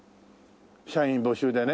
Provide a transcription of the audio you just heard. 社員募集でね。